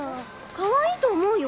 かわいいと思うよ。